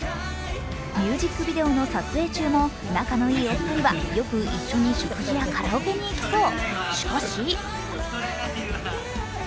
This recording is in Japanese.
ミュージックビデオの撮影中も仲のいいお二人はよく一緒に食事やカラオケに行くそう。